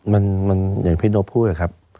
มันเหมือนพี่โน้ทพูดครับ